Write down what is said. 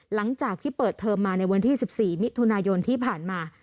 หลังจากที่เปิดเทอมมาในวันที่๑๔มิถุนายนที่ผ่านมา